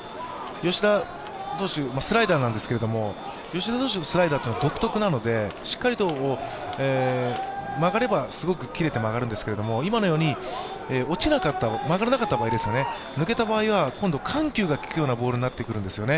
吉田投手、スライダーなんですけれども、吉田投手のスライダーというのは独特なので、しっかりと曲がれば、すごく切れて曲がるんですけど今のように落ちなかった、曲がらなかった場合抜けた場合は今度は緩急がきくボールになってくるんですよね。